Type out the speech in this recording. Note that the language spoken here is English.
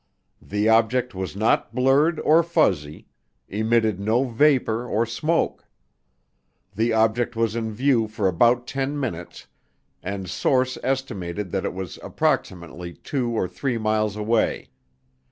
The object was not blurred or fuzzy, emitted no vapor or smoke. The object was in view for about 10 minutes, and Source estimated that it was approximately 2 or 3 miles away.